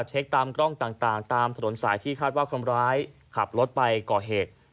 เช็คตามกล้องต่างตามถนนสายที่คาดว่าคนร้ายขับรถไปก่อเหตุ